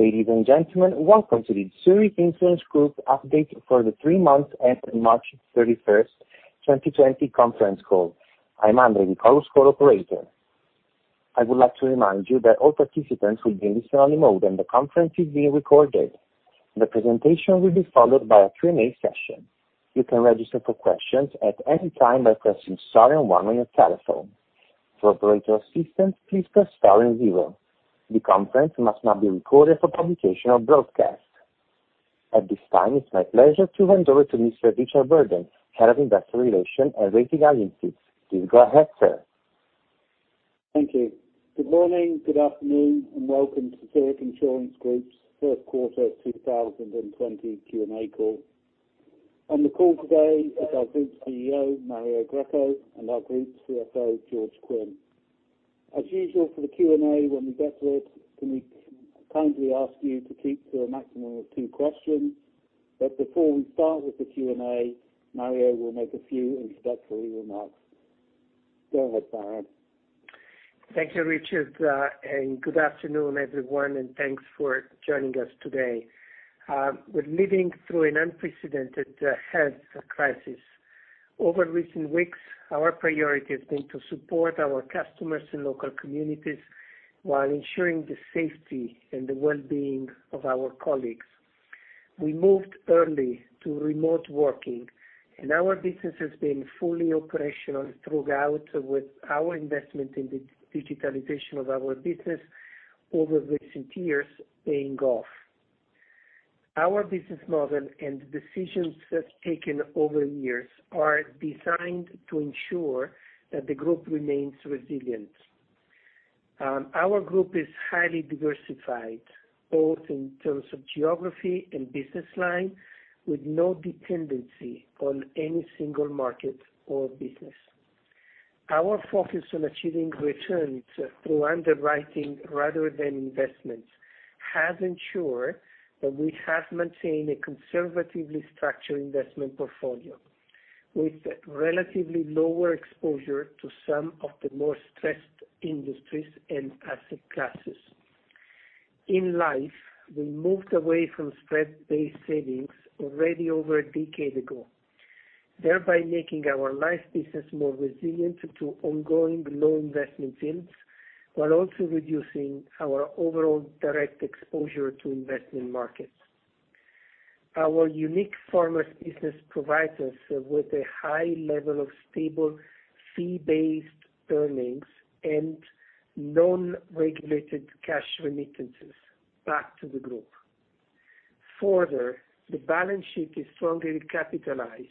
Ladies and gentlemen, welcome to the Zurich Insurance Group update for the three months ending March 31st, 2020 conference call. I'm Andre, the call's operator. I would like to remind you that all participants will be in listen only mode and the conference is being recorded. The presentation will be followed by a Q&A session. You can register for questions at any time by pressing star and one on your telephone. For operator assistance, please press star and zero. The conference must not be recorded for publication or broadcast. At this time, it's my pleasure to hand over to Mr. Richard Burdon, Head of Investor Relations and Rating Agency. Please go ahead, sir. Thank you. Good morning, good afternoon, and welcome to Zurich Insurance Group's first quarter 2020 Q&A call. On the call today is our Group CEO, Mario Greco, and our Group CFO, George Quinn. As usual for the Q&A, when we get to it, can we kindly ask you to keep to a maximum of two questions? Before we start with the Q&A, Mario will make a few introductory remarks. Go ahead, Mario. Thank you, Richard. Good afternoon, everyone. Thanks for joining us today. We're living through an unprecedented health crisis. Over recent weeks, our priority has been to support our customers and local communities while ensuring the safety and the wellbeing of our colleagues. We moved early to remote working. Our business has been fully operational throughout with our investment in the digitalization of our business over recent years paying off. Our business model and decisions we've taken over the years are designed to ensure that the group remains resilient. Our group is highly diversified, both in terms of geography and business line, with no dependency on any single market or business. Our focus on achieving returns through underwriting rather than investments has ensured that we have maintained a conservatively structured investment portfolio with relatively lower exposure to some of the more stressed industries and asset classes. In life, we moved away from spread-based savings already over a decade ago, thereby making our life business more resilient to ongoing low investment yields, while also reducing our overall direct exposure to investment markets. Our unique Farmers business provides us with a high level of stable fee-based earnings and non-regulated cash remittances back to the group. Further, the balance sheet is strongly capitalized,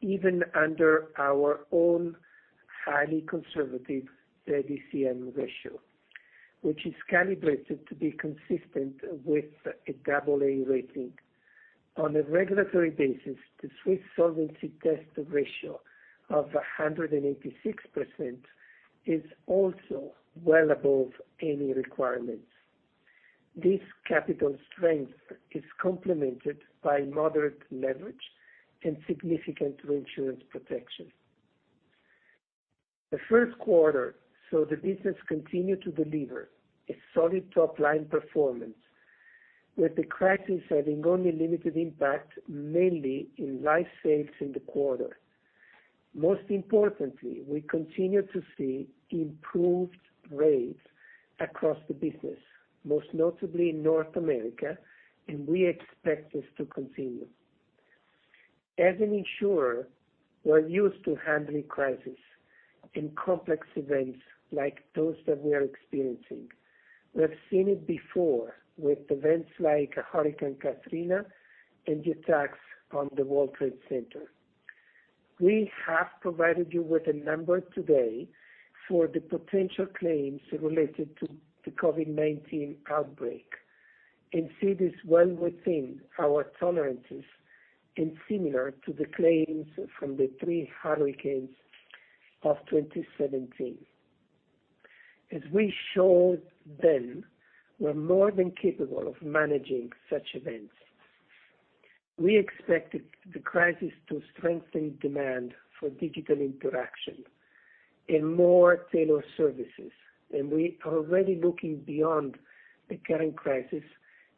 even under our own highly conservative ZECM ratio, which is calibrated to be consistent with an AA rating. On a regulatory basis, the Swiss Solvency Test ratio of 186% is also well above any requirements. This capital strength is complemented by moderate leverage and significant reinsurance protection. The first quarter saw the business continue to deliver a solid top-line performance, with the crisis having only limited impact, mainly in life sales in the quarter. Most importantly, we continue to see improved rates across the business, most notably in North America. We expect this to continue. As an insurer, we're used to handling crisis and complex events like those that we are experiencing. We've seen it before with events like Hurricane Katrina and the attacks on the World Trade Center. We have provided you with a number today for the potential claims related to the COVID-19 outbreak and see this well within our tolerances and similar to the claims from the three hurricanes of 2017. As we showed then, we're more than capable of managing such events. We expected the crisis to strengthen demand for digital interaction and more tailored services. We are already looking beyond the current crisis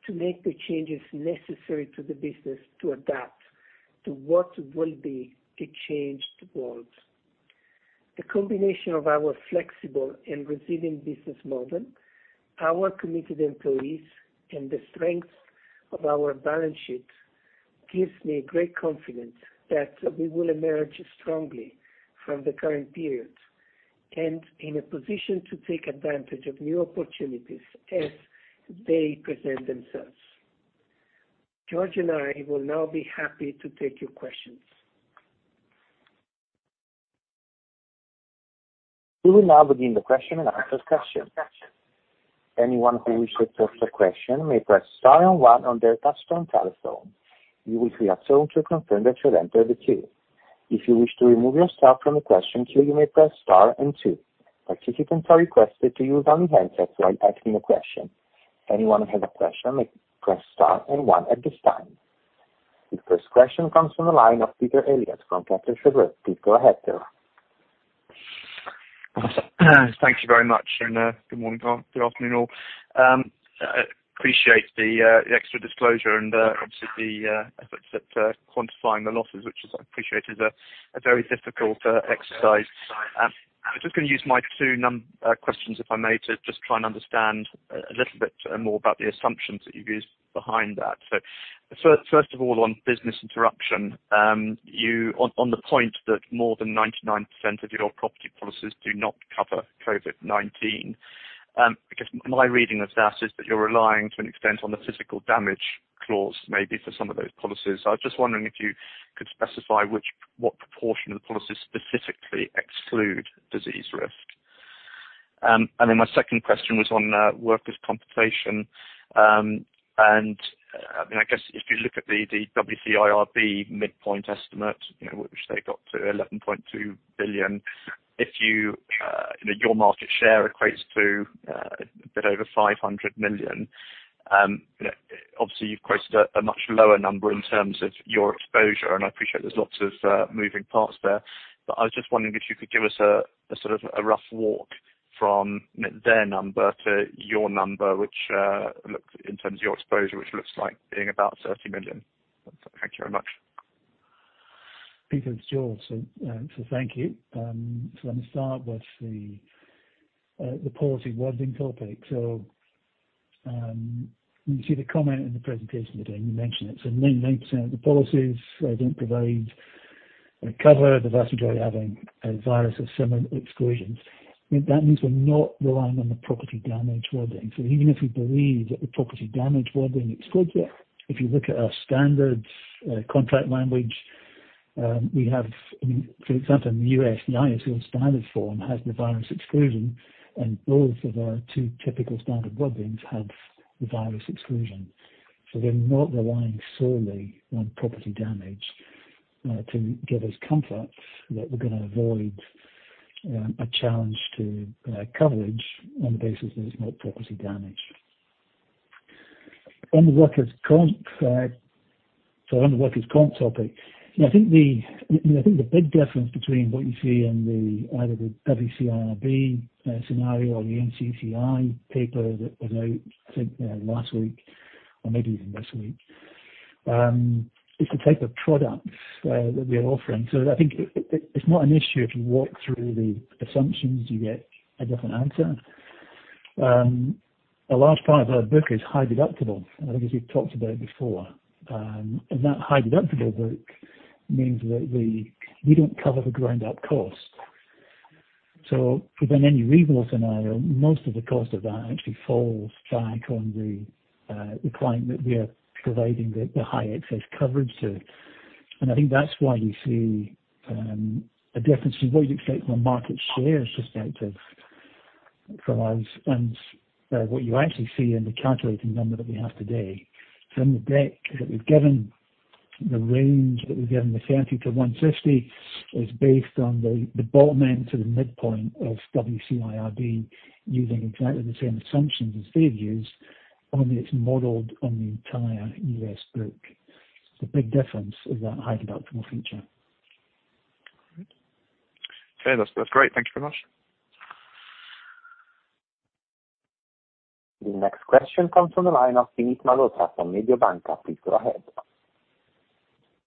to make the changes necessary to the business to adapt to what will be a changed world. The combination of our flexible and resilient business model, our committed employees, and the strength of our balance sheet gives me great confidence that we will emerge strongly from the current period and in a position to take advantage of new opportunities as they present themselves. George and I will now be happy to take your questions. We will now begin the question and answer session. Anyone who wishes to ask a question may press star and one on their touch-tone telephone. You will hear a tone to confirm that you are entered in the queue. If you wish to remove yourself from the question queue, you may press star and two. Participants are requested to use only handsets while asking a question. Anyone have a question may press star and one at this time. The first question comes from the line of Peter Eliot from Kepler Cheuvreux. Please go ahead, Peter Thank you very much. Good morning all. Good afternoon all. I appreciate the extra disclosure and obviously the efforts at quantifying the losses, which is appreciated, a very difficult exercise. I'm just going to use my two questions, if I may, to just try and understand a little bit more about the assumptions that you've used behind that. First of all, on business interruption, on the point that more than 99% of your property policies do not cover COVID-19. I guess my reading of that is that you're relying to an extent on the physical damage clause, maybe for some of those policies. I was just wondering if you could specify what proportion of the policies specifically exclude disease risk. My second question was on workers' compensation. I guess if you look at the WCIRB midpoint estimate, which they got to $11.2 billion. Your market share equates to a bit over $500 million. Obviously you've quoted a much lower number in terms of your exposure, and I appreciate there's lots of moving parts there. I was just wondering if you could give us a sort of rough walk from their number to your number, which in terms of your exposure, which looks like being about $30 million. Thank you very much. Peter, it's George. Thank you. Let me start with the policy wording topic. You see the comment in the presentation today, and we mentioned it. 99% of the policies don't provide cover, the vast majority having a virus or similar exclusions. That means we're not relying on the property damage wording. Even if we believe that the property damage wording excludes it, if you look at our standard contract language we have For example, in the U.S., the ISO standard form has the virus exclusion, and both of our two typical standard wordings have the virus exclusion. We're not relying solely on property damage to give us comfort that we're going to avoid a challenge to coverage on the basis that it's not property damage. On the workers' comp side. On the workers' comp topic, I think the big difference between what you see in the either the WCIRB scenario or the NCCI paper that was out, I think last week or maybe even this week, it's the type of products that we are offering. I think it's not an issue if you walk through the assumptions, you get a different answer. A large part of our book is high deductible, and I think as we've talked about it before. That high deductible book means that we don't cover the ground-up cost. Within any reasonable scenario, most of the cost of that actually falls back on the client that we are providing the high excess coverage to. I think that's why you see a difference between what you'd expect from a market share perspective from us and what you actually see in the calculating number that we have today. In the deck that we've given, the range that we've given, the $30-$150 is based on the bottom end to the midpoint of WCIRB using exactly the same assumptions as they've used, only it's modeled on the entire U.S. book. The big difference is that high deductible feature. Okay. That's great. Thank you very much. The next question comes from the line of Vinit Malhotra from Mediobanca. Please go ahead.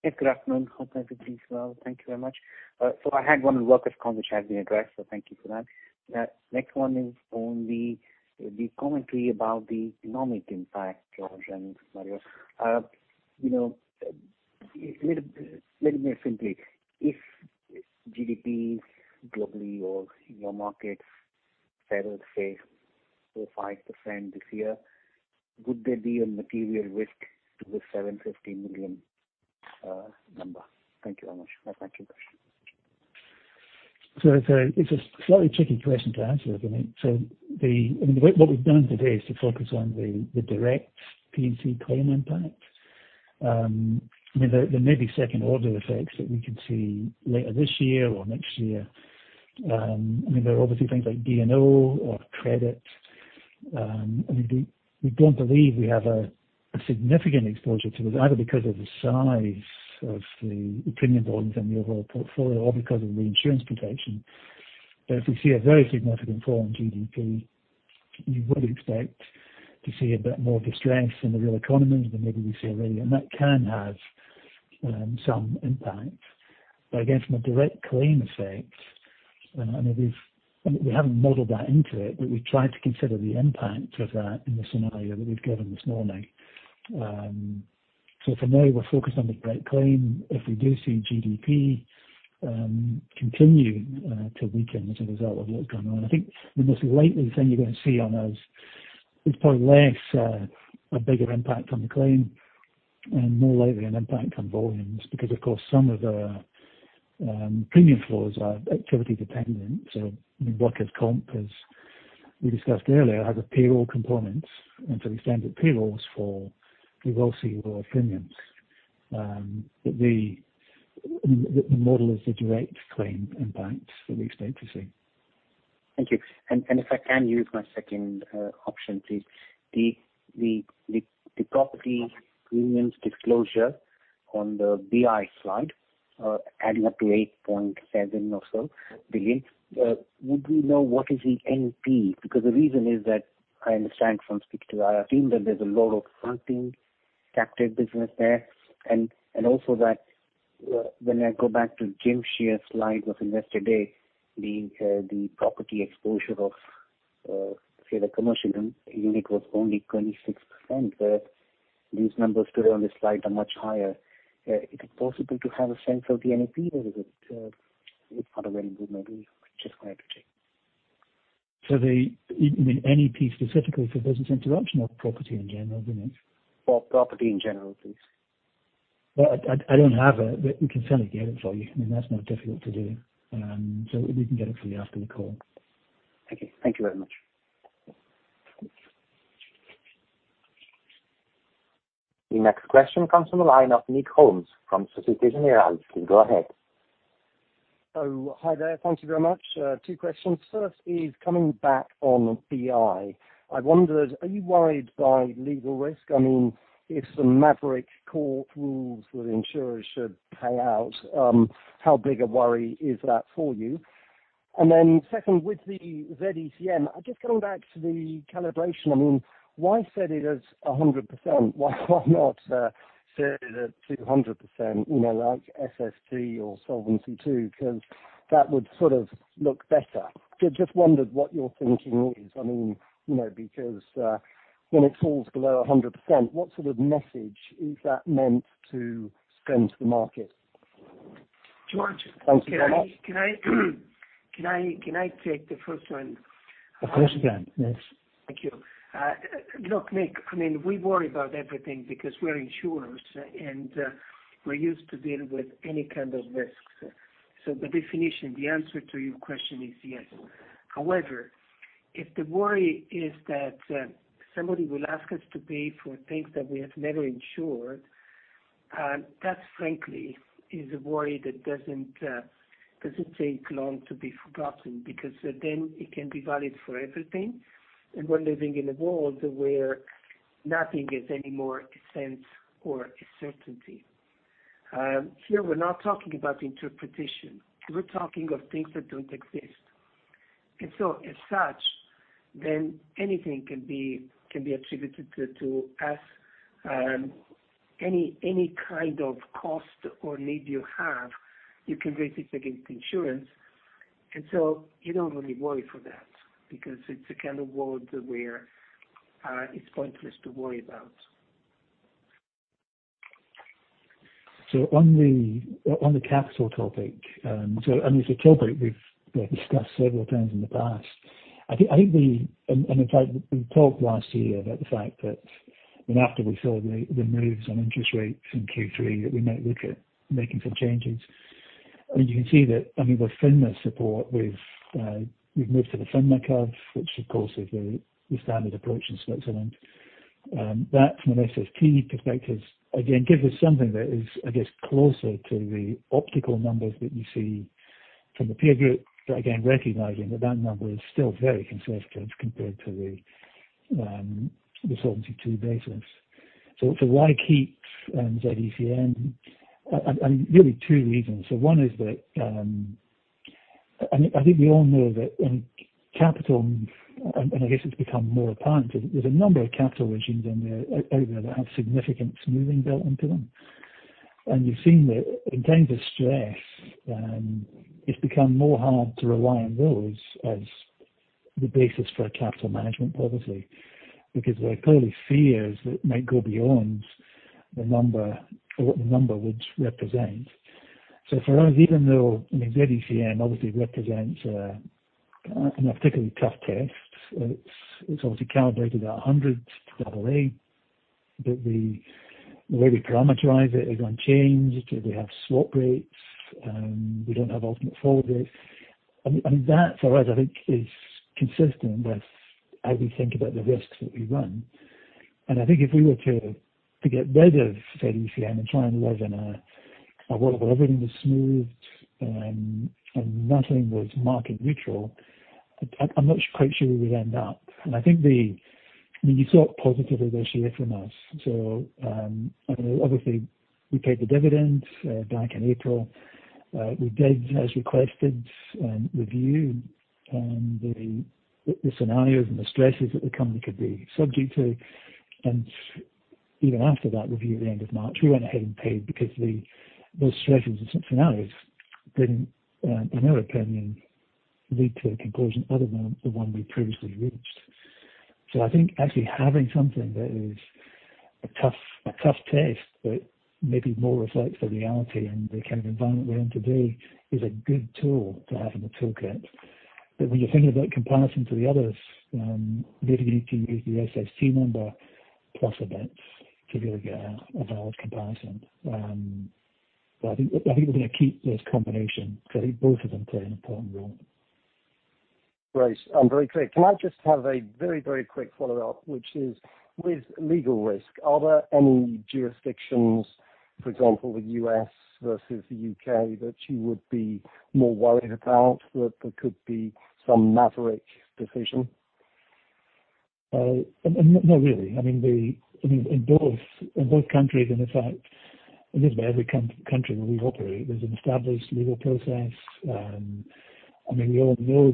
Good afternoon. Hope everybody is well. Thank you very much. I had one on workers' comp which has been addressed, thank you for that. Next one is on the commentary about the economic impact, George and Mario. Let me ask simply, if GDP globally or in your markets falls, say four, 5% this year, would there be a material risk to the $750 million number? Thank you very much. Back to you, guys. It's a slightly tricky question to answer, Vinit. What we've done today is to focus on the direct P&C claim impact. There may be second order effects that we could see later this year or next year. There are obviously things like D&O or credit. We don't believe we have a significant exposure to it, either because of the size of the premium volumes in the overall portfolio or because of the insurance protection. If we see a very significant fall in GDP, you would expect to see a bit more distress in the real economies than maybe we see already. That can have some impact. Again, from a direct claim effect, and we haven't modeled that into it, but we've tried to consider the impact of that in the scenario that we've given this morning. For now, we're focused on the direct claim. If we do see GDP continue to weaken as a result of what's going on, I think the most likely thing you're going to see on us is probably less a bigger impact on the claim and more likely an impact on volumes, because of course, some of the premium flows are activity dependent. Workers' comp, as we discussed earlier, has a payroll component. To the extent that payrolls fall, you will see lower premiums. The model is the direct claim impact that we've stated to you. Thank you. If I can use my second option, please. The property premiums disclosure on the BI slide, adding up to $8.7 or so billion. Would we know what is the NP? The reason is that I understand from speaking to our team that there's a lot of fronting captive business there, and also that when I go back to James Shuck's slide of yesterday, the property exposure of, say, the commercial unit was only 26%, where these numbers today on this slide are much higher. Is it possible to have a sense of the NP, or is it not available maybe? Just wanted to check. You mean NP specifically for business interruption or property in general, Vinit? For property in general, please. Well, I don't have it. We can certainly get it for you. I mean, that's not difficult to do. We can get it for you after the call. Thank you. Thank you very much. The next question comes from the line of Nick Holmes from Swissquote. Please go ahead. Hi there. Thank you very much. Two questions. First is coming back on BI. I wondered, are you worried by legal risk? I mean, if some maverick court rules that insurers should pay out, how big a worry is that for you? Then second, with the ZECM, I guess coming back to the calibration, I mean, why set it as 100%? Why not set it at 200%, like SST or Solvency II? That would sort of look better. Just wondered what your thinking is. I mean because when it falls below 100%, what sort of message is that meant to send to the market? George. Thank you very much. Can I take the first one? Of course you can. Yes. Thank you. Look, Nick, I mean, we worry about everything because we're insurers, we're used to dealing with any kind of risks. By definition, the answer to your question is yes. However, if the worry is that somebody will ask us to pay for things that we have never insured, that frankly is a worry that doesn't take long to be forgotten, because it can be valid for everything, we're living in a world where nothing is anymore a sense or a certainty. Here we're not talking about interpretation. We're talking of things that don't exist. As such, anything can be attributed to us. Any kind of cost or need you have, you can raise it against insurance. You don't really worry for that because it's a kind of world where it's pointless to worry about. On the capital topic, and it's a topic we've discussed several times in the past. We talked last year about the fact that, after we saw the moves on interest rates in Q3, that we might look at making some changes. I mean, you can see that, I mean, with FINMA support, we've moved to the FINMA curve, which of course is the standard approach in Switzerland. From an SST perspective, again, gives us something that is, I guess, closer to the optical numbers that you see from the peer group. Again, recognizing that that number is still very conservative compared to the Solvency II basis. Why keep ZECM? Really two reasons. One is that, I think we all know that in capital, and I guess it's become more apparent, there's a number of capital regimes out there that have significant smoothing built into them. You've seen that in times of stress, it's become more hard to rely on those as the basis for a capital management policy, because there are clearly fears that might go beyond the number or what the number would represent. For us, even though ZECM obviously represents a particularly tough test, it's obviously calibrated at 100 AA. The way we parameterize it is unchanged. We have swap rates. We don't have ultimate forward rates. I mean, that for us, I think is consistent with how we think about the risks that we run. I think if we were to get rid of ZECM and try and live in a world where everything was smoothed and nothing was market neutral, I'm not quite sure where we'd end up. I think the I mean, you saw it positively this year from us. Obviously we paid the dividend back in April. We did as requested, reviewed the scenarios and the stresses that the company could be subject to. Even after that review at the end of March, we went ahead and paid because those stresses and scenarios didn't, in our opinion, lead to a conclusion other than the one we previously reached. I think actually having something that is a tough test, but maybe more reflects the reality and the kind of environment we're in today is a good tool to have in the toolkit. When you're thinking about comparison to the others, then you need to use the SST number plus events to be able to get a valid comparison. I think we're going to keep this combination because I think both of them play an important role. Right. I'm very clear. Can I just have a very quick follow-up, which is, with legal risk, are there any jurisdictions, for example, the U.S. versus the U.K., that you would be more worried about that there could be some maverick decision? Not really. In both countries, and in fact, in just about every country where we operate, there's an established legal process. We all know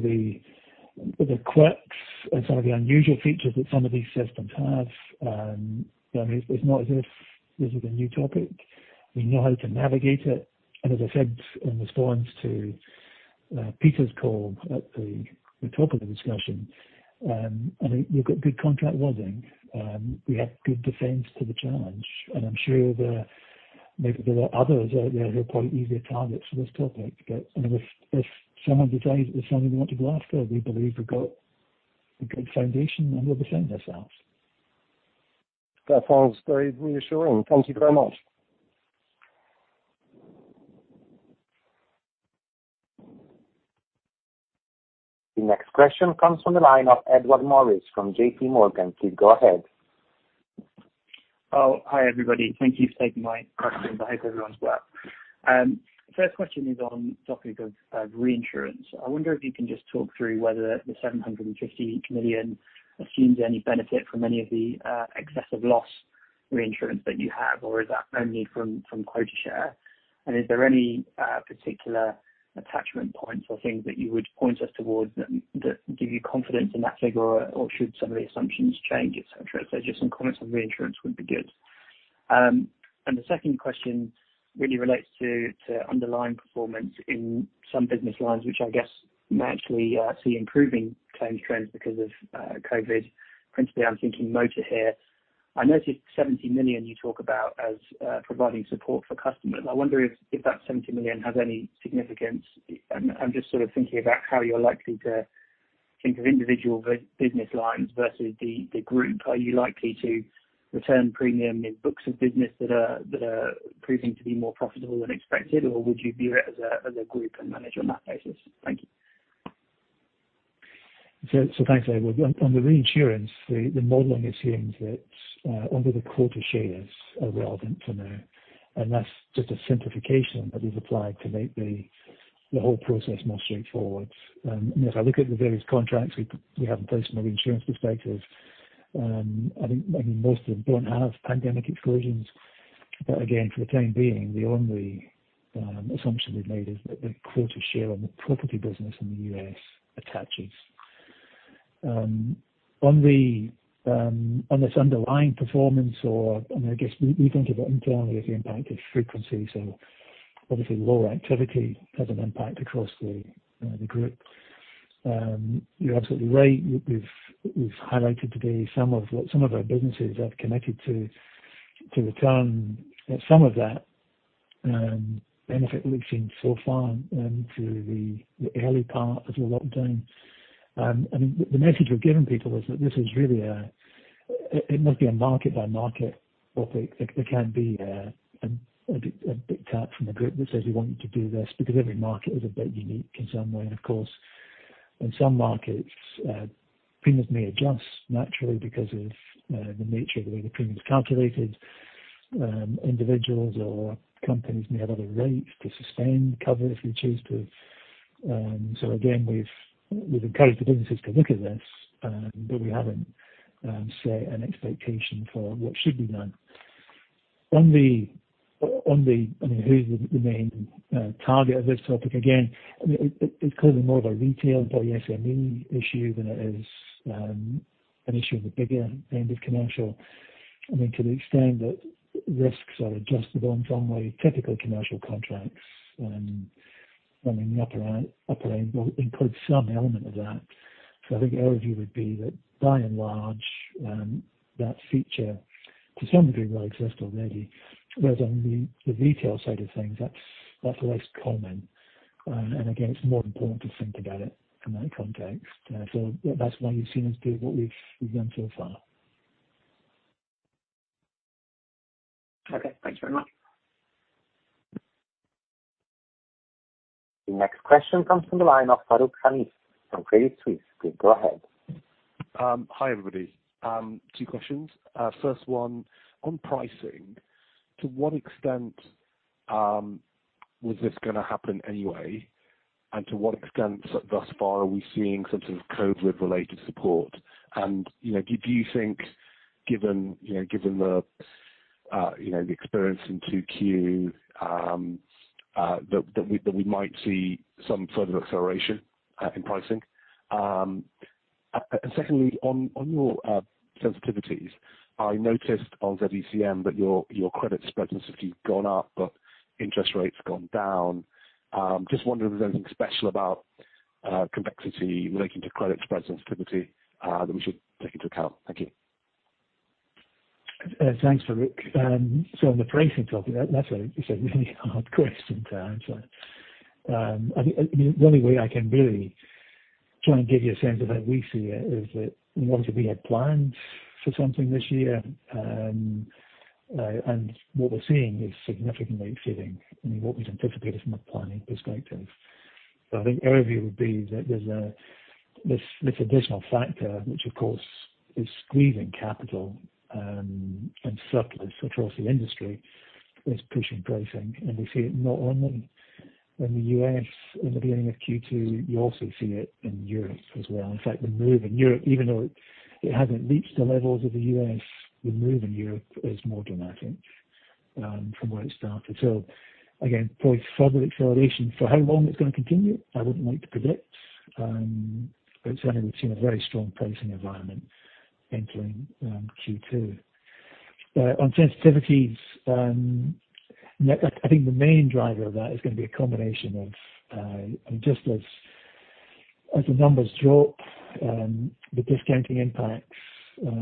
the quirks and some of the unusual features that some of these systems have. It's not as if this is a new topic. We know how to navigate it. As I said, in response to Peter's call at the top of the discussion, we've got good contract wording. We have good defense to the challenge. I'm sure maybe there are others out there who are probably easier targets for this topic. If someone decides it's something they want to go after, we believe we've got a good foundation, and we'll defend ourselves. That sounds very reassuring. Thank you very much. The next question comes from the line of Edward Morris from JP Morgan. Please go ahead. Oh, hi, everybody. Thank you for taking my question. I hope everyone's well. First question is on topic of reinsurance. I wonder if you can just talk through whether the $750 million assumes any benefit from any of the excess of loss reinsurance that you have, or is that only from quota share? Is there any particular attachment points or things that you would point us towards that give you confidence in that figure, or should some of the assumptions change, et cetera? Just some comments on reinsurance would be good. The second question really relates to underlying performance in some business lines, which I guess may actually see improving claims trends because of COVID. Principally, I'm thinking motor here. I noticed $70 million you talk about as providing support for customers. I wonder if that $70 million has any significance. I'm just sort of thinking about how you're likely to think of individual business lines versus the group. Are you likely to return premium in books of business that are proving to be more profitable than expected, or would you view it as a group and manage on that basis? Thank you. Thanks, Edward. On the reinsurance, the modeling assumes that only the quota shares are relevant for now, that's just a simplification that is applied to make the whole process more straightforward. As I look at the various contracts we have in place from a reinsurance perspective, I think most of them don't have pandemic exclusions. Again, for the time being, the only assumption we've made is that the quota share on the property business in the U.S. attaches. On this underlying performance, I guess we think about internally the impact of frequency, obviously lower activity has an impact across the group. You're absolutely right. We've highlighted today some of our businesses have committed to return some of that benefit we've seen so far through the early part of the lockdown. The message we've given people is that it must be a market by market topic. There can be a big tap from the group that says, we want you to do this, because every market is a bit unique in some way. Of course, in some markets, premiums may adjust naturally because of the nature of the way the premium is calculated. Individuals or companies may have other rights to sustain cover if they choose to. Again, we've encouraged the businesses to look at this, but we haven't set an expectation for what should be done. On the who's the main target of this topic, again, it's clearly more of a retail or SME issue than it is an issue of the bigger end of commercial. To the extent that risks are adjusted on from the typical commercial contracts, upper end will include some element of that. I think our view would be that by and large, that feature to some degree will exist already. Whereas on the retail side of things, that's less common. Again, it's more important to think about it in that context. That's why you've seen us do what we've done so far. Okay. Thanks very much. The next question comes from the line of Farouk Khalife from Credit Suisse. Please go ahead. Hi, everybody. Two questions. First one, on pricing, to what extent was this going to happen anyway, and to what extent thus far are we seeing some sort of COVID-19 related support? Do you think given the experience in 2Q, that we might see some sort of acceleration in pricing? Secondly, on your sensitivities, I noticed on ZECM that your credit spread sensitivity gone up, but interest rates gone down. Just wondering if there's anything special about convexity relating to credit spread sensitivity that we should take into account. Thank you. Thanks, Farouk. On the pricing topic, that's a really hard question to answer. The only way I can really try and give you a sense of how we see it is that we wanted to be had planned for something this year. What we're seeing is significantly exceeding what we'd anticipated from a planning perspective. I think our view would be that there's this additional factor, which of course is squeezing capital and surplus across the industry, is pushing pricing. We see it not only in the U.S. in the beginning of Q2, you also see it in Europe as well. In fact, the move in Europe, even though it hasn't reached the levels of the U.S., the move in Europe is more dramatic from where it started. Again, probably further acceleration. For how long it's going to continue, I wouldn't like to predict. Certainly we've seen a very strong pricing environment entering Q2. On sensitivities, I think the main driver of that is going to be a combination of just as the numbers drop, the discounting impacts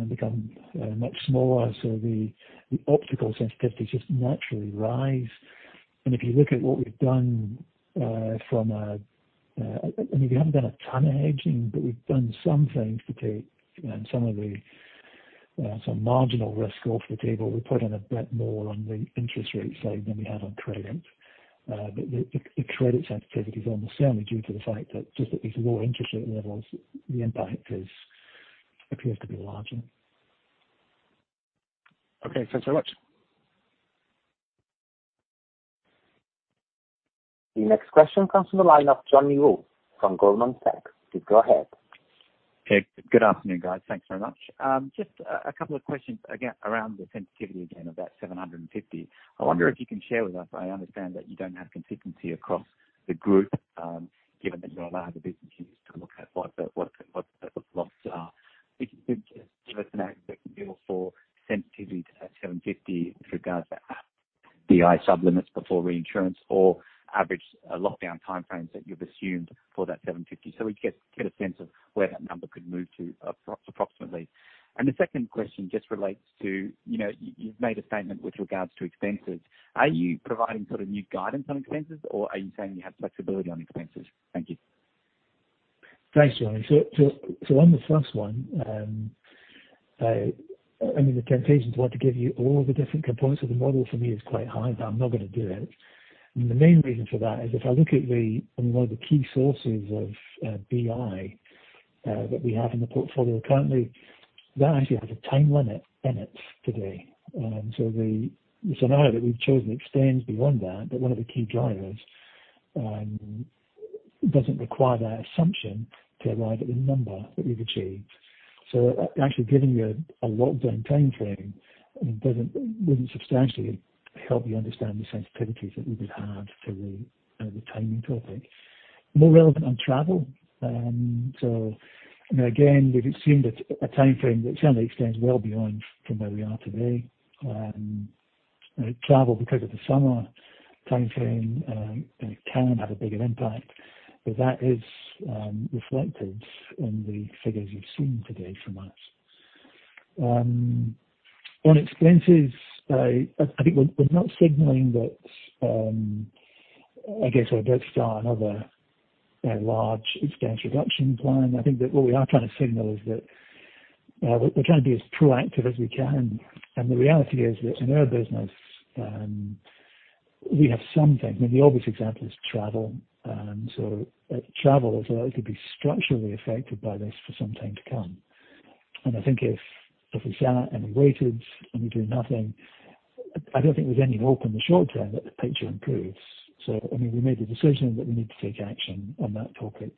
become much smaller, so the optical sensitivities just naturally rise. If you look at what we've done, I mean, we haven't done a ton of hedging, but we've done some things to take some of the marginal risk off the table. We put in a bit more on the interest rate side than we had on credit. The credit sensitivity is almost certainly due to the fact that just at these lower interest rate levels, the impact appears to be larger. Okay, thanks so much. The next question comes from the line of Johnny Wu from Goldman Sachs. Please go ahead. Good afternoon, guys. Thanks very much. Just a couple of questions again around the sensitivity again of that $750. I wonder if you can share with us, I understand that you don't have consistency across the group, given that you have a lot of other businesses to look at what the losses are. If you could just give us an aggregate view for sensitivity to that $750 with regards to BI sub-limits before reinsurance or average lockdown time frames that you've assumed for that $750, so we get a sense of where that number could move to approximately. The second question just relates to, you've made a statement with regards to expenses. Are you providing sort of new guidance on expenses or are you saying you have flexibility on expenses? Thank you. Thanks, Johnny. On the first one, I mean, the temptation to want to give you all the different components of the model for me is quite high, but I'm not going to do it. The main reason for that is if I look at one of the key sources of BI that we have in the portfolio currently, that actually has a time limit in it today. The scenario that we've chosen extends beyond that, but one of the key drivers doesn't require that assumption to arrive at the number that we've achieved. Actually giving you a lockdown timeframe wouldn't substantially help you understand the sensitivities that we would have for the timing topic. More relevant on travel. Again, we've assumed a timeframe that certainly extends well beyond from where we are today. Travel, because of the summer timeframe, can have a bigger impact, but that is reflected in the figures you've seen today from us. On expenses, I think we're not signaling that, I guess we're about to start another large expense reduction plan. I think that what we are trying to signal is that we're trying to be as proactive as we can. The reality is that in our business, we have some things. I mean, the obvious example is travel. Travel is likely to be structurally affected by this for some time to come. I think if we sat and we waited and we do nothing, I don't think there's any hope in the short term that the picture improves. I mean, we made the decision that we need to take action on that topic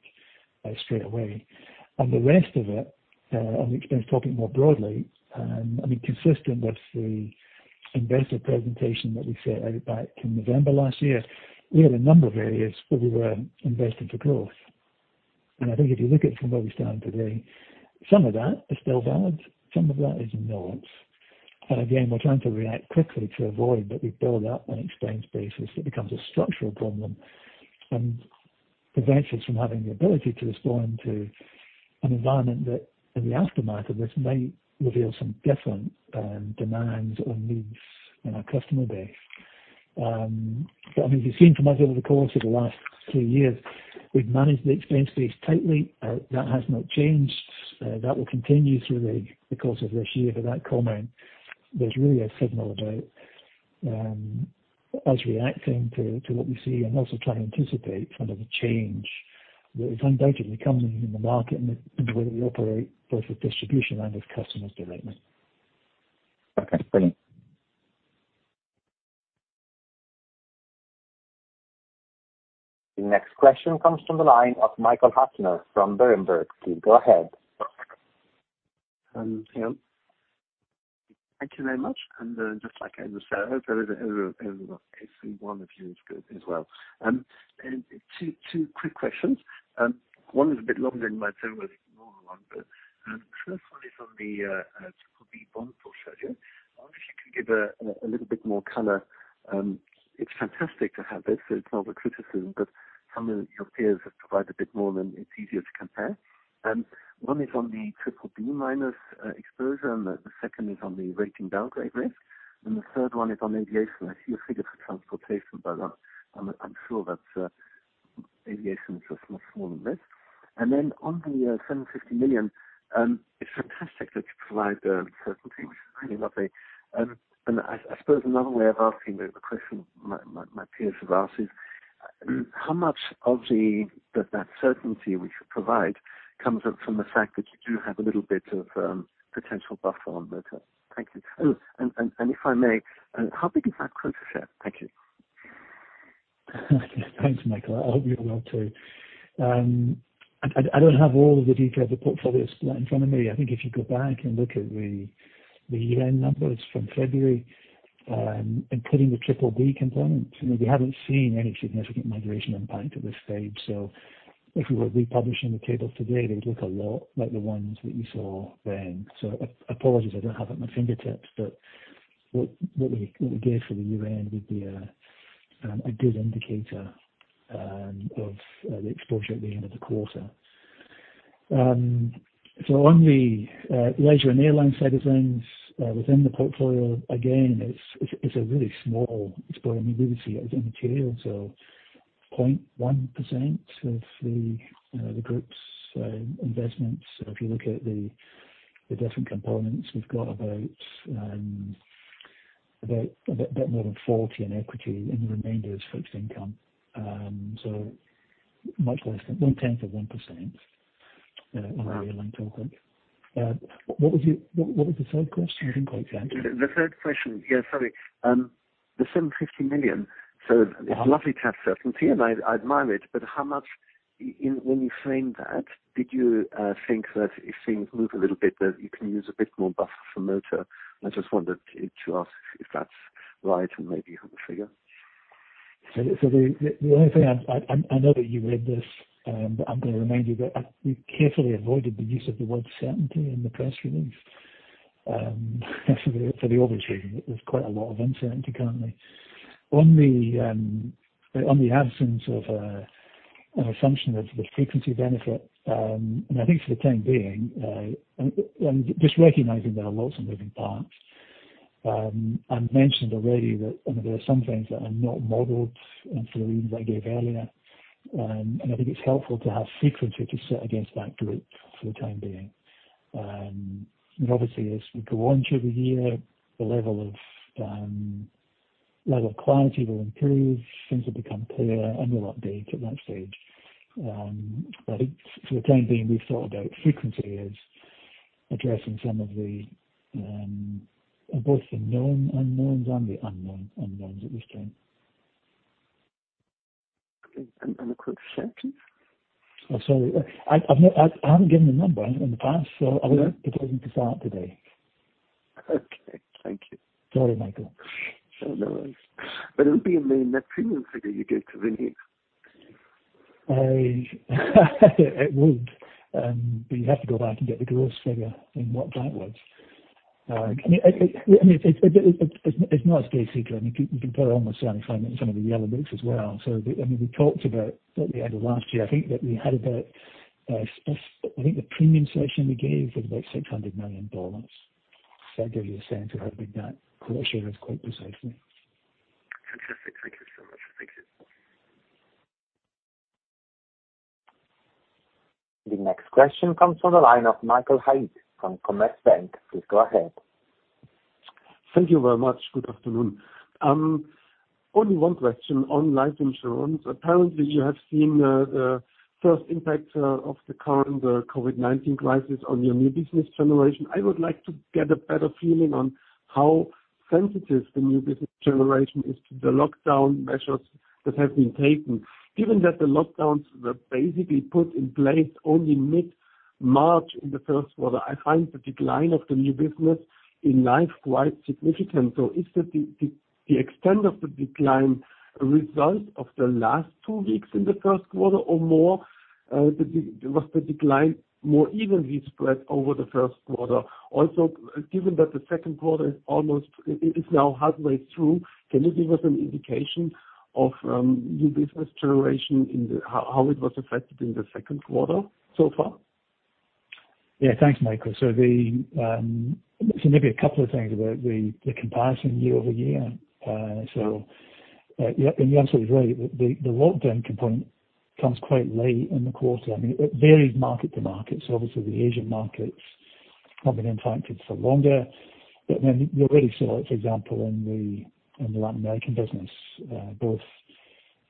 straight away. On the rest of it, on the expense topic more broadly, I mean, consistent with the investor presentation that we set out back in November last year, we had a number of areas where we were investing for growth. I think if you look at it from where we stand today, some of that is still valid, some of that is nuanced. Again, we're trying to react quickly to avoid that we build up an expense basis that becomes a structural problem and prevents us from having the ability to respond to an environment that in the aftermath of this may reveal some different demands or needs in our customer base. I mean, if you've seen from us over the course of the last three years, we've managed the expense base tightly. That has not changed. That will continue through the course of this year. That comment was really a signal about us reacting to what we see and also trying to anticipate kind of a change that is undoubtedly coming in the market and the way we operate both with distribution and with customers directly. Okay, brilliant. The next question comes from the line of Michael Huttner from Berenberg. Please go ahead. Yeah. Thank you very much. Just like Edward said, I hope everyone can see one of you as good as well. Two quick questions. One is a bit longer than my term, but it's a normal one. First one is on the bond portfolio. I wonder if you could give a little bit more color. It's fantastic to have this, so it's not a criticism, but some of your peers have provided a bit more and it's easier to compare. One is on the triple B minus exposure, the second is on the rating downgrade risk, and the third one is on aviation. I see your figures for transportation, but I'm sure that aviation is a much smaller risk. On the $750 million, it's fantastic that you provide certainty, which is really lovely. I suppose another way of asking the question my peers have asked is, how much of that certainty we should provide comes from the fact that you do have a little bit of potential buffer on that. Thank you. If I may, how big is that quota share? Thank you. Thanks, Michael. I hope you're well too. I don't have all of the detail of the portfolios right in front of me. I think if you go back and look at the year-end numbers from February, including the triple B component, we haven't seen any significant migration out of bank to this stage. If we were republishing the table today, they'd look a lot like the ones that you saw then. Apologies I don't have it at my fingertips. What we gave for the year-end would be a good indicator of the exposure at the end of the quarter. On the leisure and airline side of things, within the portfolio, again, it's a really small exposure. I mean, we would see it as immaterial, so 0.1% of the Group's investments. If you look at the different components, we've got about more than 40 in equity and the remainder is fixed income. Much less than one tenth of 1% on the airline token. What was the third question? I didn't quite catch that. The third question, yeah, sorry. The $750 million. It's a lovely touch certainty and I admire it, but how much When you frame that, did you think that if things move a little bit, that you can use a bit more buffer for motor? I just wanted to ask if that's right, and maybe you have a figure. The only thing, I know that you read this, but I'm going to remind you that we carefully avoided the use of the word certainty in the press release. For the obvious reason, that there's quite a lot of uncertainty currently. On the absence of an assumption of the frequency benefit, I think for the time being, and just recognizing there are lots of moving parts. I mentioned already that there are some things that are not modeled for the reasons I gave earlier. I think it's helpful to have frequency to set against that group for the time being. As we go on through the year, the level of quality will improve, things will become clearer, and we'll update at that stage. I think for the time being, we've thought about frequency as addressing some of both the known unknowns and the unknown unknowns at this point. A quick second. Oh, sorry. I haven't given a number, in the past, so I wouldn't be looking to start today. Okay. Thank you. Sorry, Michael. Oh, no worries. It would be a main net premium figure you gave to the. It would. You'd have to go back and get the gross figure and what that was. It's not a great secret. You can probably almost certainly find it in some of the yellow books as well. We talked about at the end of last year, I think that we had about I think the premium cession we gave was about $600 million. That'll give you a sense of how big that quotient is quite precisely. Fantastic. Thank you so much. Thank you. The next question comes from the line of Michael Haid from Commerzbank. Please go ahead. Thank you very much. Good afternoon. Only one question on life insurance. Apparently, you have seen the first impact of the current COVID-19 crisis on your new business generation. I would like to get a better feeling on how sensitive the new business generation is to the lockdown measures that have been taken. Given that the lockdowns were basically put in place only mid-March in the first quarter, I find the decline of the new business in life quite significant. Is the extent of the decline a result of the last two weeks in the first quarter or more? Was the decline more evenly spread over the first quarter? Given that the second quarter is now halfway through, can you give us an indication of new business generation, how it was affected in the second quarter so far? Yeah. Thanks, Michael. Maybe a couple of things about the comparison year-over-year. You're absolutely right. The lockdown component comes quite late in the quarter. It varied market to market. Obviously the Asian markets have been impacted for longer. You already saw, for example, in the Latin American business, both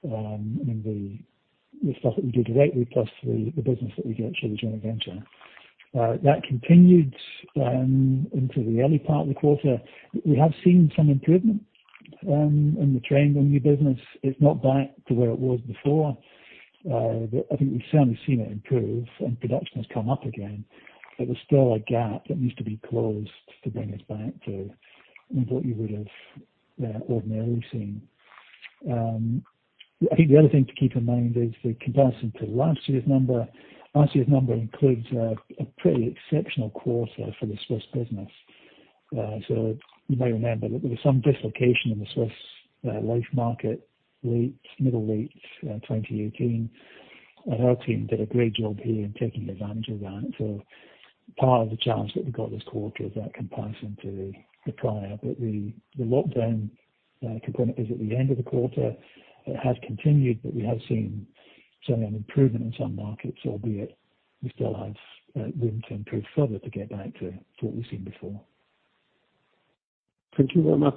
in the stuff that we do directly plus the business that we get through the joint venture. That continued into the early part of the quarter. We have seen some improvement in the trend on new business. It's not back to where it was before. I think we've certainly seen it improve, and production has come up again, but there's still a gap that needs to be closed to bring us back to what you would have ordinarily seen. I think the other thing to keep in mind is the comparison to last year's number. Last year's number includes a pretty exceptional quarter for the Swiss business. You may remember that there was some dislocation in the Swiss life market middle to late 2018, and our team did a great job here in taking advantage of that. Part of the challenge that we got this quarter is that comparison to the prior. The lockdown component is at the end of the quarter. It has continued, but we have seen certainly an improvement in some markets, albeit we still have room to improve further to get back to what we've seen before. Thank you very much.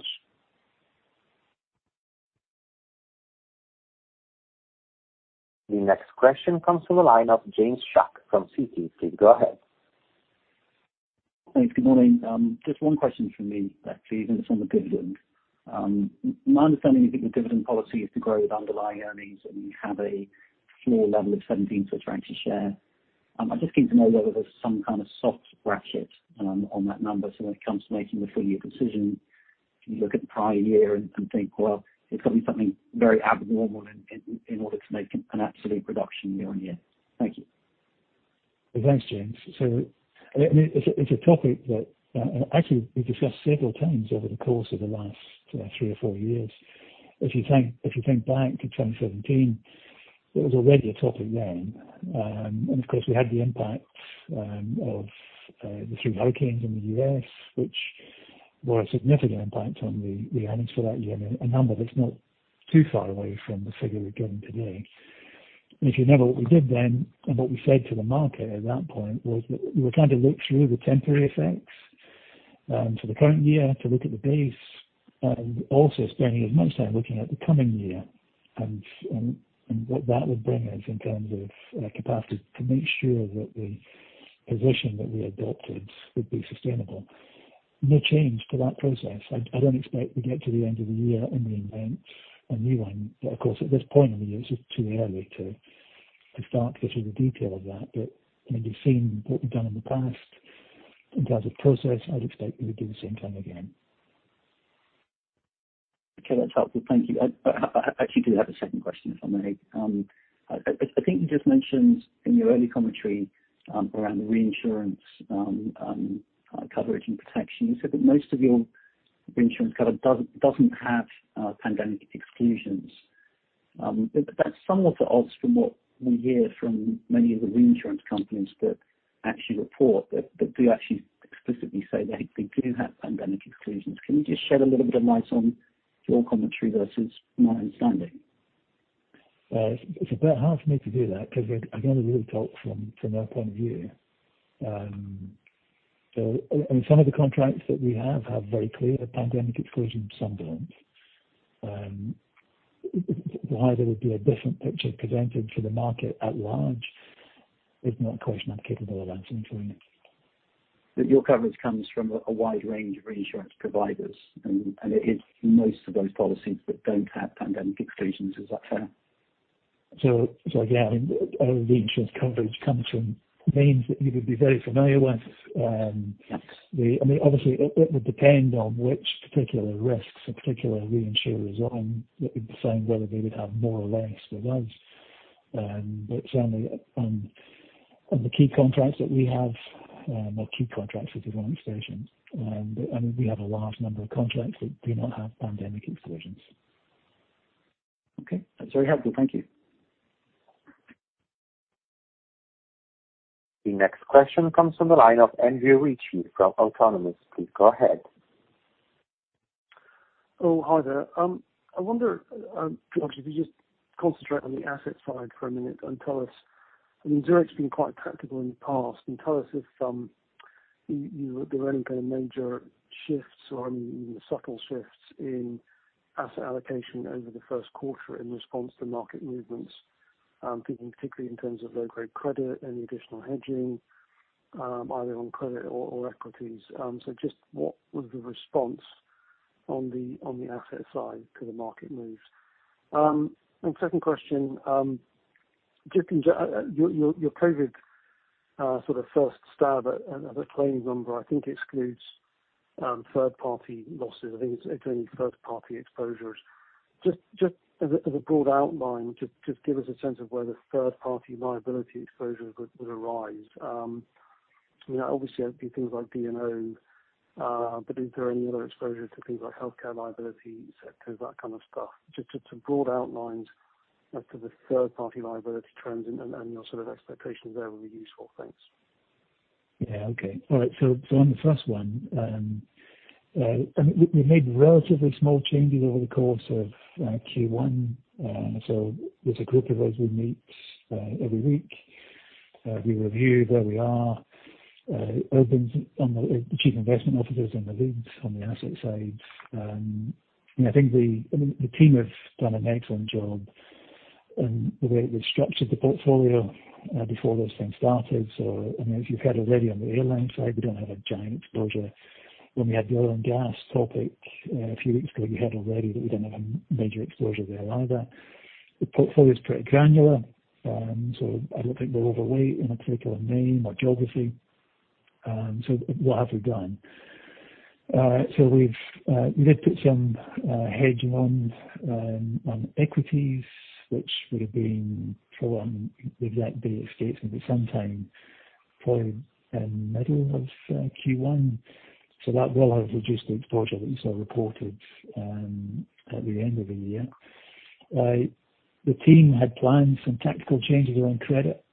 The next question comes from the line of James Shuck from Citi. Please go ahead. Thanks. Good morning. Just one question from me, actually, and it's on the dividend. My understanding is that the dividend policy is to grow with underlying earnings, and we have a floor level of 0.17 a share. I'm just keen to know whether there's some kind of soft ratchet on that number, so when it comes to making the full-year decision, you look at the prior year and think, well, there's got to be something very abnormal in order to make an absolute reduction year-on-year. Thank you. Thanks, James. It's a topic that actually we discussed several times over the course of the last three or four years. If you think back to 2017, it was already a topic then. Of course, we had the impact of the three hurricanes in the U.S., which were a significant impact on the earnings for that year, a number that's not too far away from the figure we've given today. If you remember what we did then, what we said to the market at that point, was that we were trying to look through the temporary effects for the current year to look at the base, also spending as much time looking at the coming year and what that would bring us in terms of capacity to make sure that the position that we adopted would be sustainable. No change to that process. I don't expect we get to the end of the year and reinvent a new one. Of course, at this point in the year, it's just too early to start getting the detail of that. You've seen what we've done in the past in terms of process. I'd expect we'd do the same thing again. Okay. That's helpful. Thank you. I actually do have a second question, if I may. I think you just mentioned in your early commentary around the reinsurance coverage and protection, you said that most of your reinsurance cover doesn't have pandemic exclusions. That's somewhat at odds from what we hear from many of the reinsurance companies that actually report that they actually explicitly say they do have pandemic exclusions. Can you just shed a little bit of light on your commentary versus my understanding? Well, it's a bit hard for me to do that because I can only really talk from our point of view. Some of the contracts that we have have very clear pandemic exclusions, some don't. Why there would be a different picture presented to the market at large is not a question I'm capable of answering. Your coverage comes from a wide range of reinsurance providers, and it is most of those policies that don't have pandemic exclusions. Is that fair? Yeah, our reinsurance coverage comes from names that you would be very familiar with. Yes. It would depend on which particular risks a particular reinsurer is on that would determine whether they would have more or less of those. Certainly, on the key contracts that we have, not key contracts with the wrong expressions, we have a large number of contracts that do not have pandemic exclusions. Okay. That's very helpful. Thank you. The next question comes from the line of Andrew Ritchie from Autonomous. Please go ahead. Oh, hi there. I wonder, if you could just concentrate on the assets side for a minute and tell us, I mean, Zurich's been quite practical in the past, and tell us if there were any kind of major shifts or any subtle shifts in asset allocation over the first quarter in response to market movements. I'm thinking particularly in terms of low-grade credit, any additional hedging, either on credit or equities. Just what was the response on the asset side to the market moves? Second question, your COVID sort of first stab at a claims number, I think excludes third-party losses. I think it's only third-party exposures. Just as a broad outline, just give us a sense of where the third-party liability exposures would arise. Obviously, there'd be things like D&O, but is there any other exposure to things like healthcare liability sectors, that kind of stuff? Just broad outlines as to the third-party liability trends and your sort of expectations there would be useful. Thanks. Yeah. Okay. All right. On the first one, we've made relatively small changes over the course of Q1. There's a group of us, we meet every week. We review where we are. Urban, the Chief Investment Officers and the leads on the asset side. I think the team have done an excellent job in the way they structured the portfolio before those things started. As you've heard already on the airline side, we don't have a giant exposure. When we had the oil and gas topic a few weeks ago, you heard already that we don't have a major exposure there either. The portfolio is pretty granular, so I don't think we're overweight in a particular name or geography. What have we done? We've lifted some hedge funds on equities, which would have been for one, the exact date is scheduled sometime probably middle of Q1. That will have reduced the exposure that you saw reported, at the end of the year. The team had planned some tactical changes around credit.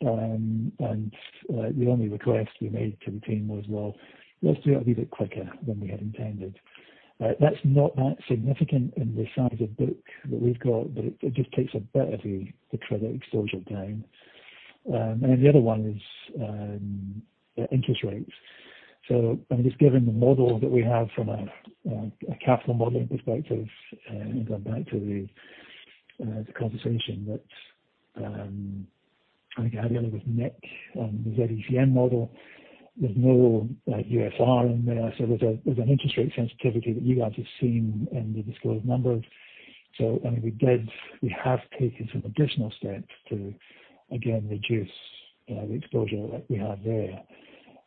The only request we made to the team was, well, let's do it a wee bit quicker than we had intended. That's not that significant in the size of book that we've got, but it just takes a bit of the credit exposure down. The other one is interest rates. Just given the model that we have from a capital modeling perspective, going back to the conversation that I think I had earlier with Nick on the ZECM model, there's no UFR in there, so there's an interest rate sensitivity that you guys have seen in the disclosed numbers. I mean, we have taken some additional steps to again reduce the exposure that we had there.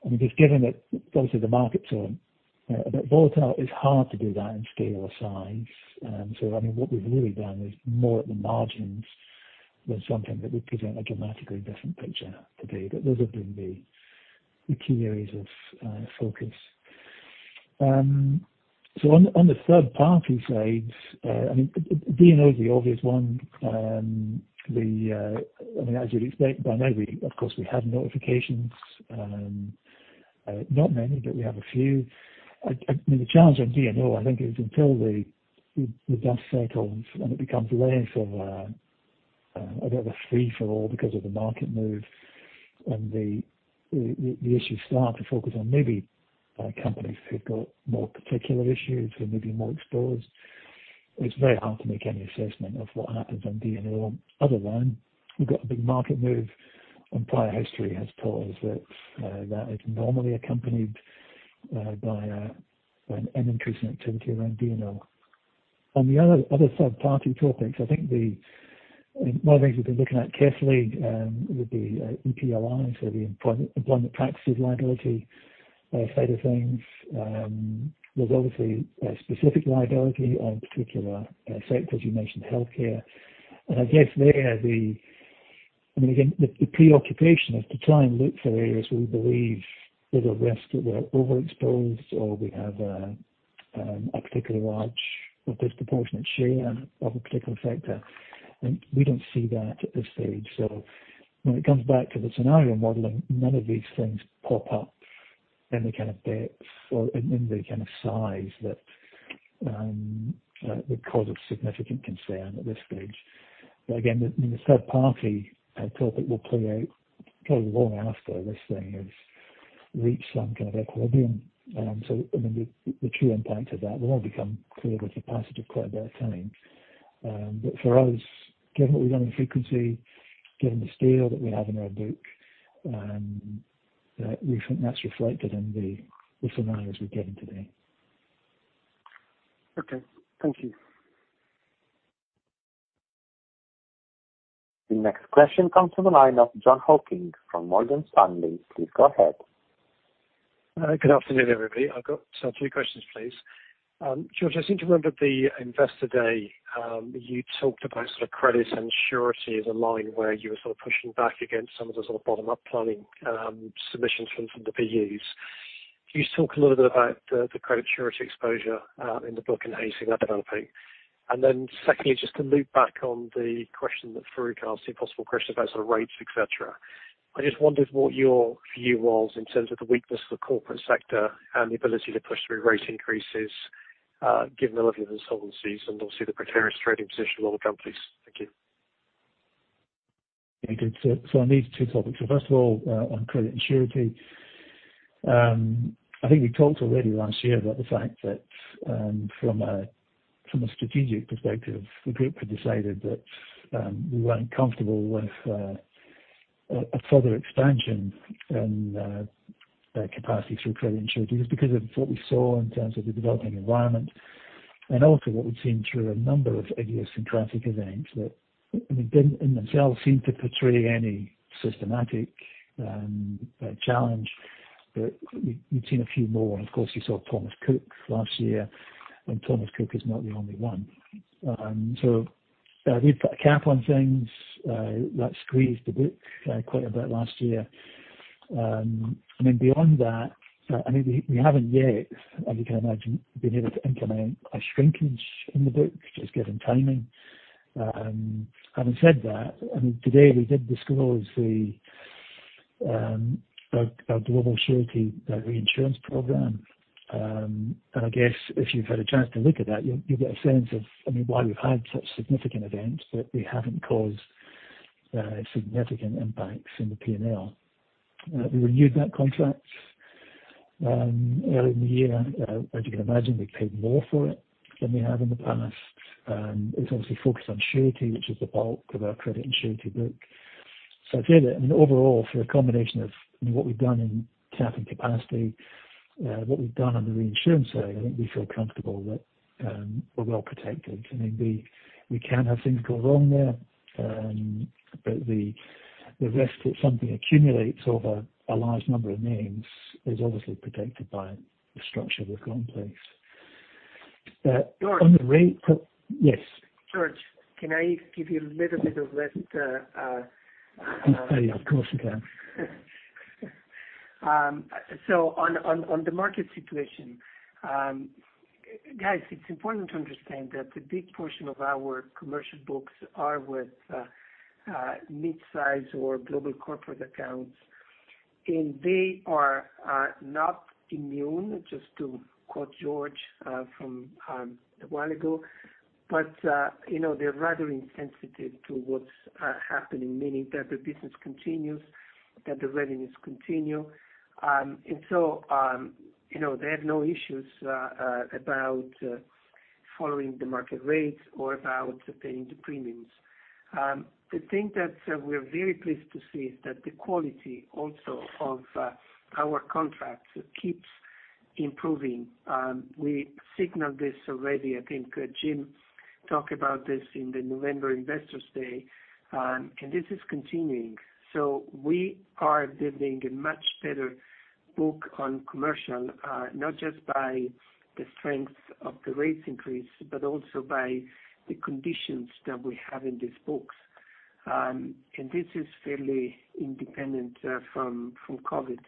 I mean, just given that obviously the market's a bit volatile, it's hard to do that in scale or size. I mean, what we've really done is more at the margins than something that would present a dramatically different picture today. Those have been the key areas of focus. On the third party side, I mean, D&O is the obvious one. I mean, as you'd expect, by now, of course we have notifications. Not many, but we have a few. I mean, the challenge on D&O, I think, is until the dust settles and it becomes less of a bit of a free for all because of the market move and the issues start to focus on maybe companies who've got more particular issues or maybe more exposed, it's very hard to make any assessment of what happens on D&O other than we've got a big market move and prior history has told us that is normally accompanied by an increase in activity around D&O. On the other third party topics, I think one of the things we've been looking at carefully would be EPLI, so the employment practices liability side of things. There's obviously a specific liability on particular sectors. You mentioned healthcare. I guess there, I mean, again, the preoccupation is to try and look for areas where we believe there's a risk that we're overexposed or we have a particularly large or disproportionate share of a particular sector, and we don't see that at this stage. When it comes back to the scenario modeling, none of these things pop up in the kind of depth or in the kind of size that would cause a significant concern at this stage. Again, the third party topic will play out probably long after this thing has reached some kind of equilibrium. I mean, the true impact of that will all become clear with the passage of quite a bit of time. For us, given what we've done in frequency, given the scale that we have in our book, we think that's reflected in the scenarios we've given today. Okay. Thank you. The next question comes from the line of Jon Hocking from Morgan Stanley. Please go ahead. Good afternoon, everybody. I've got two questions, please. George, I seem to remember at the Investor Day, you talked about sort of credits and surety as a line where you were sort of pushing back against some of the sort of bottom-up planning submissions from the BUs. Can you just talk a little bit about the credit surety exposure in the book and how you see that developing? Secondly, just to loop back on the question that Farouk asked, the possible question about sort of rates, et cetera. I just wondered what your view was in terms of the weakness of the corporate sector and the ability to push through rate increases, given the level of insolvencies and obviously the precarious trading position of all the companies. Thank you. Yeah, good. On these two topics, first of all, on credit and surety. I think we talked already last year about the fact that from a strategic perspective, the group had decided that we weren't comfortable with a further expansion in capacity through credit and surety. It was because of what we saw in terms of the developing environment and also what we've seen through a number of idiosyncratic events that, I mean, didn't in themselves seem to portray any systematic challenge. We've seen a few more, and of course, you saw Thomas Cook last year, and Thomas Cook is not the only one. We've put a cap on things. That squeezed the book quite a bit last year. I mean, beyond that, I mean, we haven't yet, as you can imagine, been able to implement a shrinkage in the book, just given timing. Having said that, I mean, today we did disclose our global surety reinsurance program. I guess if you've had a chance to look at that, you'll get a sense of, I mean, why we've had such significant events that we haven't caused significant impacts in the P&L. We renewed that contract earlier in the year. As you can imagine, we paid more for it than we have in the past. It's obviously focused on surety, which is the bulk of our credit and surety book. I'd say that, I mean, overall, through a combination of what we've done in capping capacity, what we've done on the reinsurance side, I think we feel comfortable that we're well protected. I mean, we can have things go wrong there. The risk that something accumulates over a large number of names is obviously protected by the structure we've got in place. But on the rate- George. Yes. George, can I give you a little bit of rest? Yeah, of course you can. On the market situation. Guys, it's important to understand that a big portion of our commercial books are with midsize or global corporate accounts, and they are not immune, just to quote George from a while ago. They're rather insensitive to what's happening, meaning that the business continues, that the revenues continue. They have no issues about following the market rates or without paying the premiums. The thing that we're very pleased to see is that the quality also of our contracts keeps improving. We signaled this already, I think Jim talked about this in the November Investor Day, and this is continuing. We are building a much better book on commercial, not just by the strength of the rates increase, but also by the conditions that we have in these books. This is fairly independent from COVID.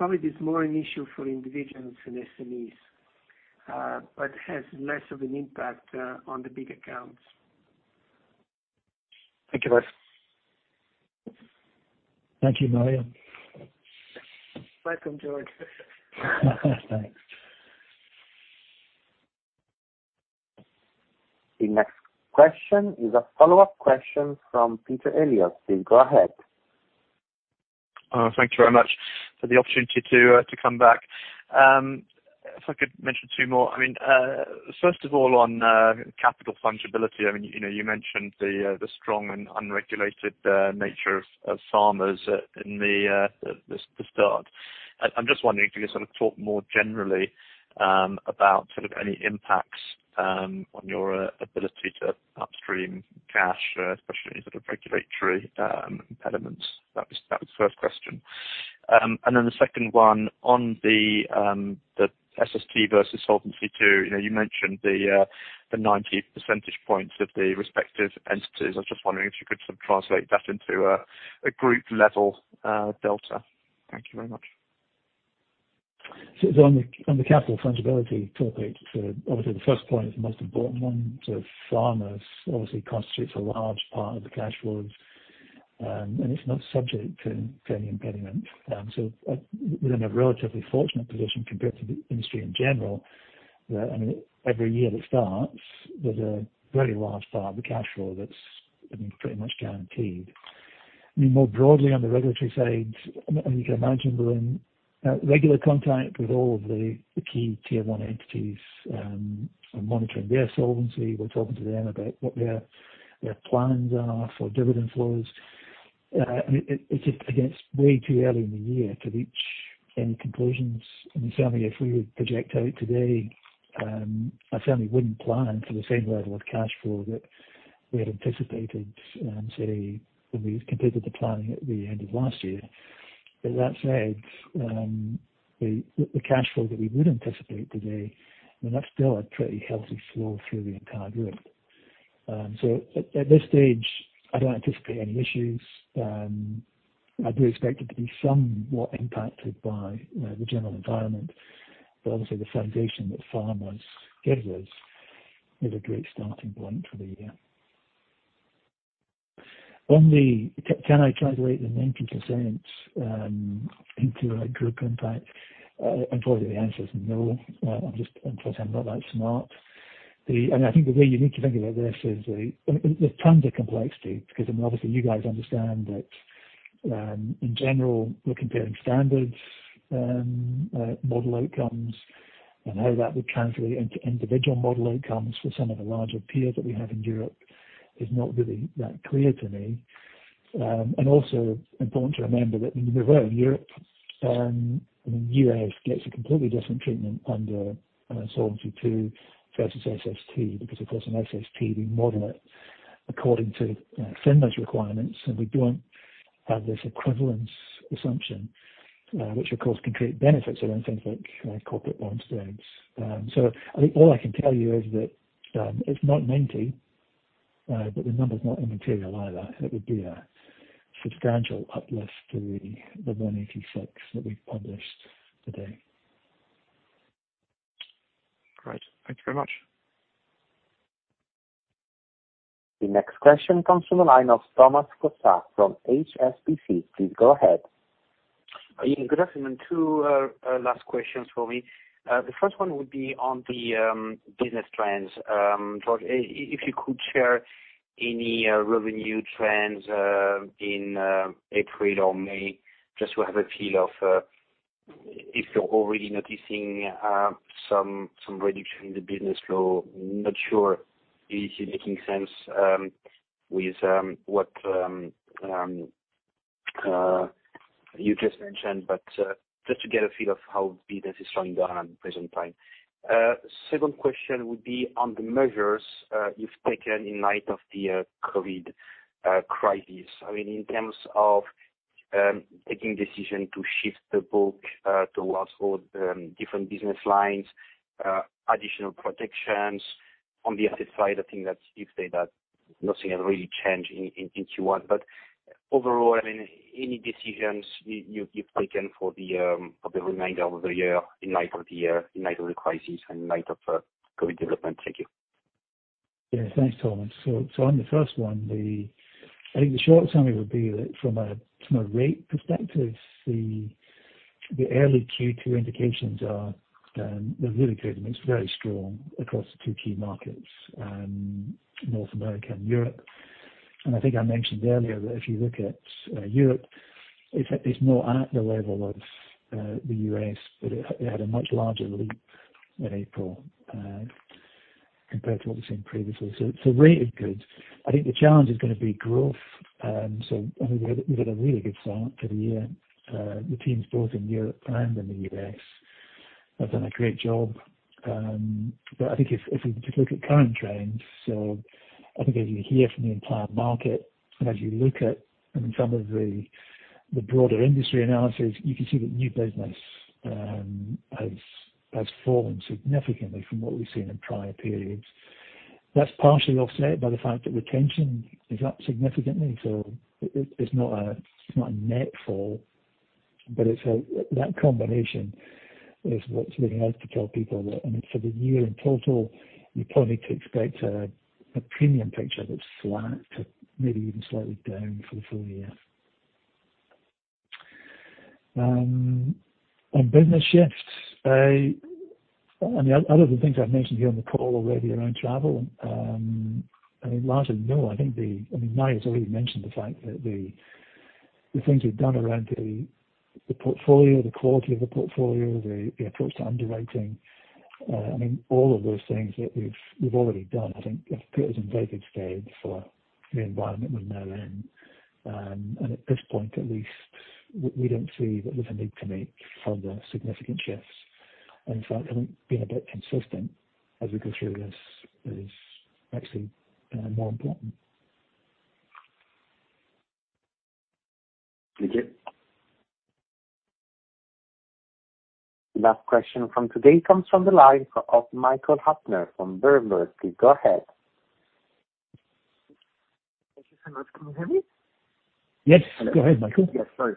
COVID is more an issue for individuals and SMEs, but has less of an impact on the big accounts. Thank you, guys. Thank you, Mario. Welcome, George. Thanks. The next question is a follow-up question from Peter Eliot. Please go ahead. Thank you very much for the opportunity to come back. If I could mention two more. First of all, on capital fungibility. You mentioned the strong and unregulated nature of Farmers in the start. I'm just wondering if you could sort of talk more generally about sort of any impacts on your ability to upstream cash, especially sort of regulatory elements. That was the first question. Then the second one on the SST versus Solvency II. You mentioned the 90 percentage points of the respective entities. I was just wondering if you could sort of translate that into a group level delta. Thank you very much. On the capital fungibility topic, obviously the first point is the most important one. Farmers obviously constitutes a large part of the cash flows, and it's not subject to any impediment. We're in a relatively fortunate position compared to the industry in general. Every year that starts, there's a very large part of the cash flow that's pretty much guaranteed. More broadly on the regulatory side, you can imagine we're in regular contact with all of the key tier 1 entities and monitoring their solvency. We're talking to them about what their plans are for dividend flows. It's just, again, it's way too early in the year to reach any conclusions. Certainly, if we were to project out today, I certainly wouldn't plan for the same level of cash flow that we had anticipated, say, when we completed the planning at the end of last year. That said, the cash flow that we would anticipate today, that's still a pretty healthy flow through the entire group. At this stage, I don't anticipate any issues. I do expect it to be somewhat impacted by the general environment, obviously the foundation that Farmers gives us is a great starting point for the year. Can I translate the 90% into a group impact? Unfortunately, the answer is no. I'm just not that smart. I think the way you need to think about this is the tons of complexity, because obviously you guys understand that in general, we're comparing standards model outcomes, and how that would translate into individual model outcomes for some of the larger peers that we have in Europe is not really that clear to me. Also important to remember that when you move out of Europe, UFR gets a completely different treatment under Solvency II versus SST, because of course in SST, we model it according to FINMA's requirements, and we don't have this equivalence assumption, which of course can create benefits around things like corporate bond spreads. I think all I can tell you is that it's not 90, but the number's not immaterial either. It would be a substantial uplift to the 186 that we published today. Great. Thank you very much. The next question comes from the line of Thomas Fossard from HSBC. Please go ahead. Ian, good afternoon. two last questions for me. The first one would be on the business trends. George, if you could share any revenue trends in April or May, just to have a feel of if you're already noticing some reduction in the business flow. Not sure if you're making sense with what you just mentioned, just to get a feel of how business is slowing down at the present time. Second question would be on the measures you've taken in light of the COVID crisis in terms of taking decision to shift the book towards all different business lines, additional protections. On the asset side, I think that you've said that nothing has really changed in Q1. Overall, any decisions you've taken for the remainder of the year in light of the year, in light of the crisis, in light of COVID development? Thank you. Yeah. Thanks, Thomas. On the first one, I think the short summary would be that from a rate perspective, the early Q2 indications are really good. I mean, it's very strong across the two key markets, North America and Europe. And I think I mentioned earlier that if you look at Europe, it's not at the level of the U.S., but it had a much larger leap in April compared to what we've seen previously. Rate is good. I think the challenge is going to be growth. I think we had a really good start to the year. The teams both in Europe and in the U.S. have done a great job. I think if you just look at current trends, so I think as you hear from the entire market, and as you look at some of the broader industry analysis, you can see that new business has fallen significantly from what we've seen in prior periods. That's partially offset by the fact that retention is up significantly. It's not a net fall, but that combination is what's really hard to tell people. I mean, for the year in total, you probably could expect a premium picture that's flat to maybe even slightly down for the full year. On business shifts, other than things I've mentioned here on the call already around travel, I mean, largely no. I mean, Mario's already mentioned the fact that the things we've done around the portfolio, the quality of the portfolio, the approach to underwriting, I mean, all of those things that we've already done, I think have put us in very good stead for the environment we're now in. At this point at least, we don't see that there's a need to make further significant shifts. In fact, I think being a bit consistent as we go through this is actually more important. Thank you. Last question from today comes from the line of Michael Huttner from Berenberg. Please go ahead. Thank you so much. Can you hear me? Yes. Go ahead, Michael. Yes, sorry.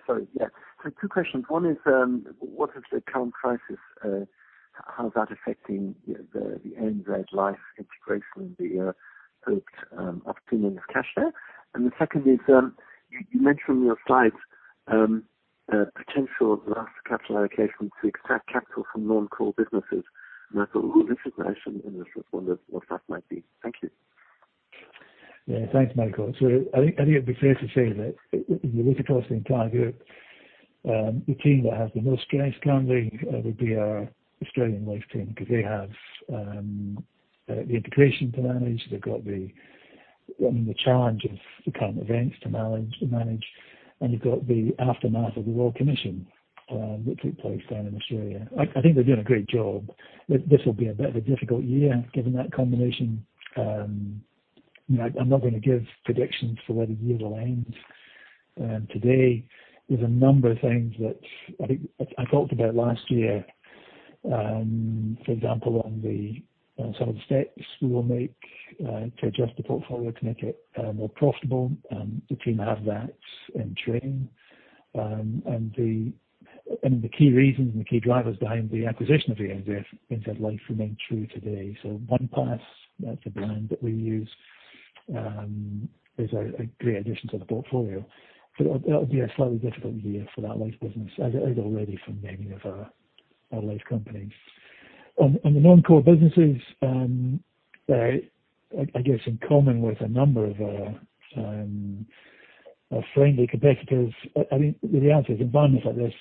Two questions. One is, what is the current crisis? How is that affecting the ANZ Life integration and the hoped opportunity of cash there? The second is, you mentioned in your slides potential asset capital allocation to extract capital from non-core businesses. I thought, this is nice, and I just wondered what that might be. Thank you. Thanks, Michael. I think it'd be fair to say that if you look across the entire group, the team that has the most stress currently would be our Australian life team, because they have the integration to manage. They've got the challenge of the current events to manage. You've got the aftermath of the Royal Commission, which took place down in Australia. I think they're doing a great job. This will be a bit of a difficult year given that combination. I'm not going to give predictions for where the year will end today. There's a number of things that I think I talked about last year, for example, on some of the steps we will make to adjust the portfolio to make it more profitable. The team have that in train. The key reasons and the key drivers behind the acquisition of the ANZ Life remain true today. OnePath, that's the brand that we use, is a great addition to the portfolio. That will be a slightly difficult year for that life business, as it is already for many of our life companies. On the non-core businesses, I guess in common with a number of our friendly competitors, I mean, the reality is environments like this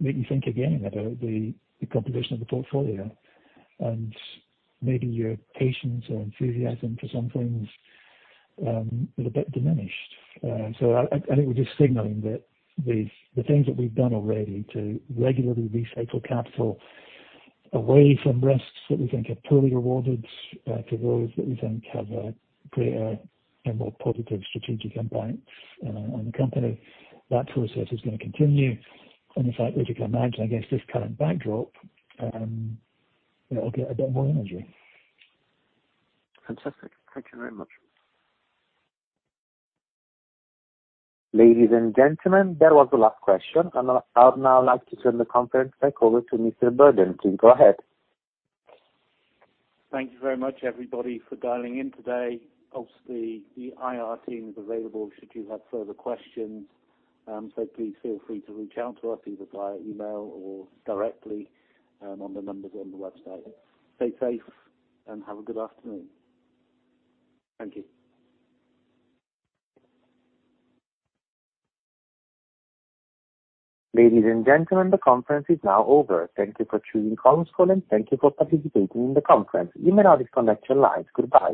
make you think again about the composition of the portfolio and maybe your patience or enthusiasm for some things is a bit diminished. I think we're just signaling that the things that we've done already to regularly recycle capital away from risks that we think are poorly rewarded, to those that we think have a greater and more positive strategic impact on the company, that process is going to continue. In fact, as you can imagine, against this current backdrop, it'll get a bit more energy. Fantastic. Thank you very much. Ladies and gentlemen, that was the last question. I'd now like to turn the conference back over to Mr. Burdon. Please go ahead. Thank you very much, everybody, for dialing in today. Obviously, the IR team is available should you have further questions. Please feel free to reach out to us either via email or directly on the numbers on the website. Stay safe, and have a good afternoon. Thank you. Ladies and gentlemen, the conference is now over. Thank you for choosing Chorus Call, and thank you for participating in the conference. You may now disconnect your lines. Goodbye.